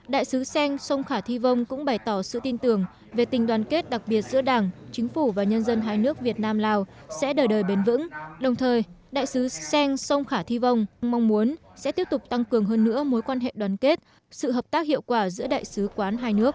đại sứ sen sông khả thi vông cũng bày tỏ sự tin tưởng về tình đoàn kết đặc biệt giữa đảng chính phủ và nhân dân hai nước việt nam lào sẽ đời đời bền vững đồng thời đại sứ sen sông khả thi vông mong muốn sẽ tiếp tục tăng cường hơn nữa mối quan hệ đoàn kết sự hợp tác hiệu quả giữa đại sứ quán hai nước